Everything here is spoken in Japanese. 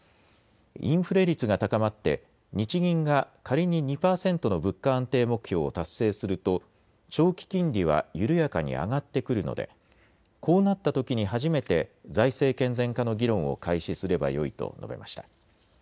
インフレ率が高まって日銀が仮に２％の物価安定目標を達成すると長期金利は緩やかに上がってくるのでこうなったときに初めて財政健全化の議論を開始すればよいと述べました。